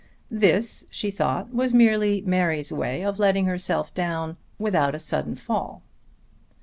This, she thought, was merely Mary's way of letting herself down without a sudden fall.